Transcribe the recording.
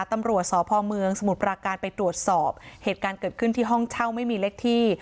ตำรวจสพเมืองสมุทรปราการไปตรวจสอบเหตุการณ์เกิดขึ้นที่ห้องเช่าไม่มีเลขที่